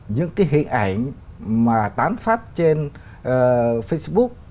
những cái hình ảnh mà tán phát trên facebook